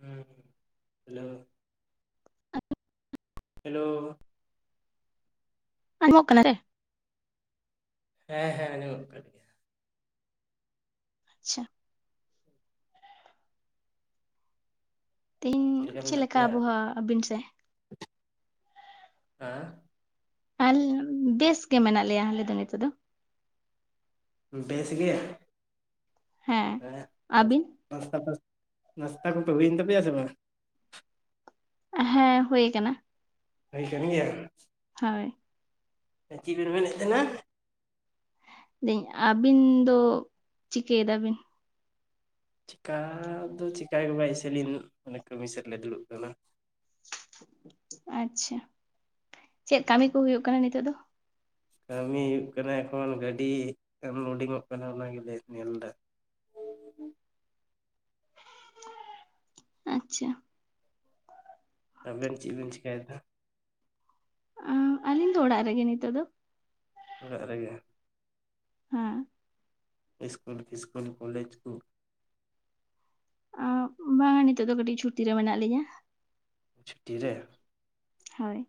ᱦᱮᱸ ᱦᱩ hello [unintelligible] hello ᱟᱸᱡᱚᱢᱚᱜ ᱠᱟᱱᱟ ᱥᱮ ᱦᱮᱸ ᱦᱮᱸ ᱟᱸᱡᱚᱢᱚᱜ ᱠᱟᱱ ᱜᱮᱭᱟ᱾ ᱟᱪᱪᱷᱟ ᱛᱮᱦᱮᱧ ᱪᱮᱫ ᱞᱮᱠᱟ ᱟᱵᱚᱦᱟᱣᱟ ᱟᱹᱵᱤᱱ ᱥᱮ ᱦᱮᱸ ᱟᱞ ᱟᱢ ᱵᱮᱥ ᱜᱮ ᱢᱮᱱᱟᱜ ᱞᱮᱭᱟ ᱟᱞᱮ ᱫᱚ ᱱᱤᱛᱚᱜ ᱫᱚ ᱵᱮᱥ ᱜᱮ ᱦᱮᱸ ᱦᱮᱸ᱾ [unintelligible] ᱟᱹᱵᱤᱱ ᱱᱟᱥᱛᱟ ᱯᱟᱥ ᱱᱟᱥᱛᱟ ᱠᱚᱯᱮ ᱦᱩᱭᱮᱱ ᱛᱟᱯᱮᱭᱟ ᱥᱮ ᱵᱟᱝ? ᱦᱮᱸ ᱦᱳᱭ ᱟᱠᱟᱱᱟ᱾ ᱦᱟᱹᱭ ᱠᱟᱱ ᱜᱮᱭᱟ᱾ ᱦᱳᱭ ᱪᱤᱫ ᱵᱮᱱ ᱢᱮᱱᱮᱫ ᱛᱟᱦᱮᱱᱟ᱾ ᱞᱟᱹᱭ ᱟᱹᱧ ᱟᱹᱵᱤᱱ ᱫᱚ ᱪᱤᱠᱟᱹᱭᱮᱫᱟ ᱵᱤᱱ᱾ ᱪᱮᱠᱟ ᱫᱚ ᱪᱤᱠᱟ ᱜᱮ ᱵᱟᱭ ᱮᱭᱥᱮᱞᱤᱧ ᱢᱟᱱᱮ ᱠᱟᱹᱢᱤ ᱥᱮᱫ ᱞᱮ ᱫᱩᱲᱩᱵ ᱠᱟᱱᱟ᱾ ᱟᱪᱪᱷᱟ ᱪᱮᱫ ᱠᱟᱹᱢᱤ ᱠᱚ ᱦᱩᱭᱩᱜ ᱠᱟᱱᱟ ᱱᱤᱛᱚᱜ ᱫᱚ? ᱠᱟᱹᱢᱤ ᱦᱩᱭᱩᱜ ᱠᱟᱱᱟ ᱮᱠᱷᱚᱱ ᱜᱟᱹᱰᱤ ᱟᱱᱞᱳᱰᱤᱝ ᱚᱜ ᱠᱟᱱᱟ ᱚᱱᱟ ᱜᱮᱞᱮ ᱧᱮᱞ ᱫᱟ ᱟᱪᱪᱷᱟ ᱟᱵᱮᱱ ᱪᱮᱫ ᱵᱮᱱ ᱪᱮᱠᱟᱭ ᱫᱟ ᱟᱸ ᱟᱹᱞᱤᱧ ᱫᱚ ᱚᱲᱟᱜ ᱨᱮᱜᱮ ᱱᱤᱛᱚᱜ ᱫᱚ ᱚᱲᱟᱜ ᱨᱮᱜᱮ ᱦᱮᱸ ᱤᱥᱠᱩᱞ ᱯᱷᱤᱥᱠᱩᱞ ᱠᱚᱞᱮᱡᱽ ᱠᱩ ᱟᱸ ᱵᱟᱝᱼᱟ ᱱᱤᱛᱚᱜ ᱫᱚ ᱠᱟᱹᱴᱤᱡᱽ ᱪᱷᱩᱴᱤ ᱨᱮ ᱢᱮᱱᱟᱜ ᱞᱤᱧᱟᱹ ᱪᱷᱩᱴᱤ ᱨᱮ ᱦᱳᱭ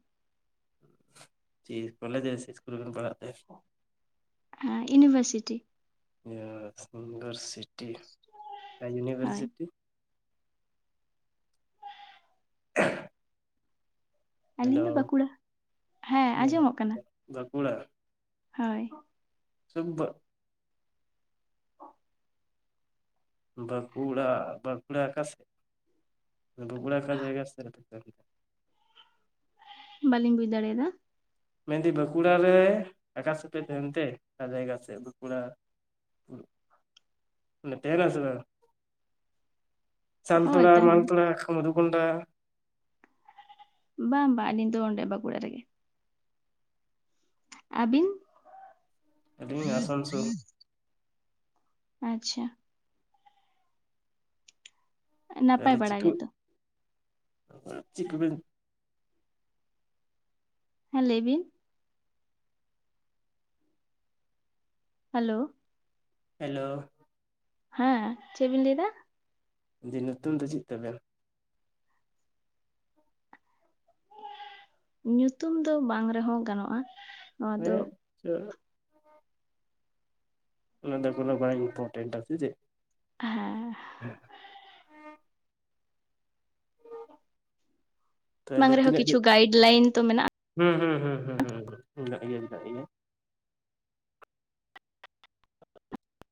ᱪᱤᱥ ᱠᱚᱞᱮᱡᱮ ᱥᱮ ᱤᱥᱠᱩᱞ ᱨᱮᱵᱮᱱ ᱯᱟᱲᱦᱟᱜ ᱛᱮ ᱦᱮᱸ ᱤᱱᱤᱵᱷᱟᱨᱥᱤᱴᱤ ᱧᱟᱸ [unintelligible] ᱤᱱᱜᱟᱨᱥᱤᱴᱤ ᱚᱠᱟ ᱦᱳᱭ ᱩᱱᱤᱵᱷᱟᱨᱥᱤᱴᱤ [unintelligible] ᱟᱞᱤᱧ ᱫᱚ ᱵᱟᱸᱠᱩᱲᱟ ᱦᱮᱸ ᱟᱸᱡᱚᱢᱚᱜ ᱠᱟᱱᱟ ᱵᱟᱸᱠᱩᱲᱟ ᱦᱳᱭ ᱥᱩᱵᱼᱵᱟᱹᱜᱽ ᱵᱟᱸᱠᱩᱲᱟ ᱵᱟᱸᱠᱩᱲᱟ ᱠᱟᱥᱮ ᱵᱩᱜᱩᱲᱟ ᱚᱠᱟ ᱡᱟᱭᱜᱟ ᱥᱮᱫ ᱨᱮ [unintelligible] ᱵᱟᱹᱞᱤᱧ ᱵᱩᱡᱽ ᱫᱟᱲᱮᱭᱟᱫᱟ ᱢᱮᱱᱫᱟᱹᱧ ᱵᱟᱸᱠᱩᱲᱟ ᱨᱮ ᱟᱠᱟᱥᱮᱫ ᱯᱮ ᱛᱟᱦᱮᱱ ᱛᱮ ᱚᱠᱟ ᱡᱟᱭᱜᱟ ᱥᱮᱫ ᱵᱟᱸᱠᱩᱲᱟ ᱚᱱᱰᱮ ᱛᱟᱦᱮᱱᱟᱢ ᱥᱮ ᱵᱟᱝ ᱦᱳᱭ ᱥᱟᱞᱛᱳᱲᱟ ᱛᱟᱦᱮᱱ ᱢᱟᱞᱛᱳᱲᱟ ᱢᱚᱫᱷᱩᱠᱩᱱᱰᱟ ᱵᱟᱝ ᱵᱟ ᱟᱹᱞᱤᱧ ᱫᱚ ᱚᱸᱰᱮ ᱵᱟᱸᱠᱩᱲᱟ ᱨᱮᱜᱮ ᱟᱹᱵᱤᱱ ᱟᱞᱤᱧ ᱟᱥᱟᱱᱥᱳᱞ ᱟᱪᱪᱷᱟ ᱱᱟᱯᱟᱭ ᱛᱟᱦᱞᱮ ᱵᱟᱲᱟ ᱪᱤᱠᱟᱹᱜ ᱜᱮᱛᱚ ᱪᱤᱜ ᱠᱚᱵᱮᱱ ᱦᱮᱸ ᱞᱟᱹᱭ ᱵᱤᱱ ᱦᱮᱞᱳ ᱦᱮᱞᱳ ᱦᱮᱸ ᱪᱮᱫ ᱵᱤᱱ ᱞᱟᱹᱭ ᱫᱟ ᱡᱮ ᱧᱩᱛᱩᱢ ᱫᱚ ᱪᱮᱫ ᱛᱟᱵᱮᱱ ᱧᱩᱛᱩᱢ ᱫᱚ ᱵᱟᱝ ᱨᱮᱦᱚᱸ ᱜᱟᱱᱚᱜᱼᱟ ᱱᱚᱣᱟ ᱫᱚ [unintelligible] ᱚᱱᱟᱫᱚ ᱠᱚᱱᱚ ᱵᱟᱭ ᱤᱢᱯᱳᱴᱮᱱᱴ ᱟ ᱥᱮ ᱪᱮᱫ ᱦᱮᱸ ᱛᱟᱦᱚᱞᱮ ᱵᱟᱝ ᱨᱮᱦᱚᱸ ᱛᱤᱱᱟᱹᱜ ᱠᱤᱪᱷᱩ ᱜᱟᱭᱤᱰ ᱞᱟᱹᱭᱤᱱ ᱛᱚ ᱢᱮᱱᱟᱜᱼᱟ᱾ ᱦᱩᱸ ᱦᱩᱸ ᱦᱩᱸ ᱦᱩᱸ ᱦᱩᱸ ᱦᱩᱸ ᱢᱮᱱᱟᱜ ᱜᱮᱭᱟ ᱢᱮᱱᱟᱜ ᱜᱮᱭᱟ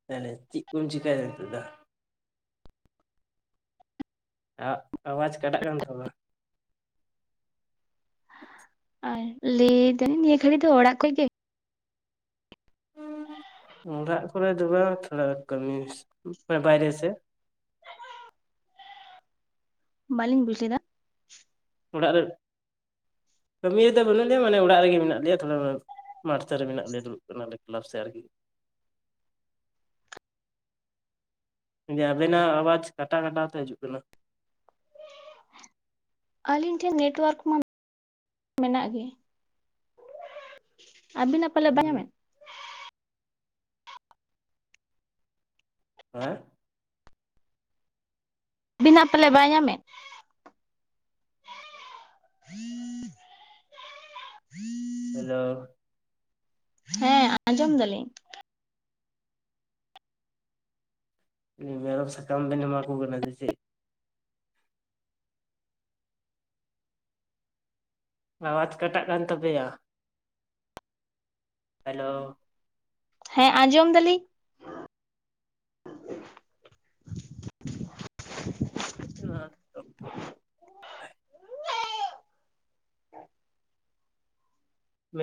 ᱛᱟᱭᱞᱮ ᱪᱮᱫ ᱠᱚᱢ ᱪᱮᱤᱠᱟᱭᱫᱟ ᱱᱤᱛᱚᱜ ᱫᱚ ᱟᱣᱟᱡᱽ ᱠᱟᱴᱟᱜ ᱠᱟᱱ ᱛᱟᱢᱟ ᱟᱨ ᱞᱟᱹᱭ ᱮᱫᱟᱹᱧ ᱱᱤᱭᱟᱹ ᱜᱷᱟᱹᱲᱤᱡ ᱫᱚ ᱚᱲᱟᱜ ᱠᱷᱚᱡ ᱜᱮ ᱚᱲᱟᱜ ᱠᱚᱨᱮ ᱫᱚ ᱵᱟᱝ ᱛᱷᱚᱲᱟ ᱠᱟᱹᱢᱤ ᱵᱟᱭᱨᱮ ᱥᱮ ᱵᱟᱹᱞᱤᱧ ᱵᱩᱡᱽ ᱞᱮᱫᱟ ᱚᱲᱟᱜ ᱨᱮ ᱠᱟᱹᱢᱤ ᱨᱮᱫᱚ ᱵᱟᱹᱱᱩᱜ ᱞᱮᱭᱟ ᱢᱟᱱᱮ ᱚᱲᱟᱜ ᱨᱮᱜᱮ ᱢᱮᱱᱟᱜ ᱞᱮᱭᱟ ᱛᱷᱚᱲᱟ ᱢᱟᱴ ᱥᱮᱜ ᱨᱮ ᱢᱮᱱᱟᱜ ᱞᱮᱭᱟ ᱫᱩᱲᱩᱵ ᱠᱟᱱᱟ ᱞᱮ ᱠᱞᱟᱵᱽ ᱥᱮ ᱟᱨᱠᱤ ᱮ ᱟᱵᱮᱱᱟᱜ ᱟᱣᱟᱡᱽ ᱠᱟᱴᱟ ᱠᱟᱴᱟ ᱛᱮ ᱦᱤᱡᱩᱜ ᱠᱟᱱᱟ᱾ ᱟᱹᱞᱤᱧ ᱴᱷᱮᱱ ᱱᱮᱴᱣᱟᱨᱠ ᱢᱟ ᱢᱮᱱᱟᱜ ᱜᱮ ᱟᱹᱵᱤᱱᱟᱜ ᱯᱟᱞᱮ ᱵᱟᱭ ᱧᱟᱢᱮᱜ ᱦᱮᱸ ᱦᱮᱸ ᱟᱹᱵᱤᱱᱟᱜ ᱯᱟᱞᱮ ᱵᱟᱭ ᱧᱟᱢᱮᱫ [inaudible] ᱦᱮᱞᱳ ᱦᱮᱸ ᱟᱸᱡᱚᱢ ᱫᱟᱞᱤᱧ ᱢᱮᱨᱚᱢ ᱥᱟᱠᱟᱢ ᱵᱮᱱ ᱮᱢᱟ ᱠᱚ ᱠᱟᱱᱟ ᱥᱮ ᱪᱮᱫ ᱟᱣᱟᱡᱽ ᱠᱟᱴᱟᱜ ᱠᱟᱱ ᱛᱟᱯᱮᱭᱟ ᱦᱮᱞᱳ ᱦᱮᱸ ᱟᱸᱡᱚᱢ ᱫᱟᱞᱤᱧ [unintelligible]